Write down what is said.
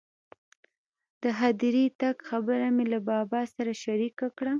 د هدیرې تګ خبره مې له بابا سره شریکه کړه.